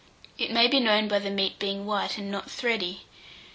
It may be known by the meat being white and not thready.